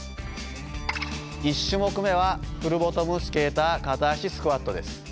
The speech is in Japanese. １種目目はフルボトム・スケーター・片足スクワットです。